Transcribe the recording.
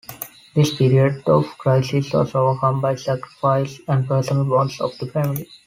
This period of crisis was overcome by sacrifice and personal bonds of the family.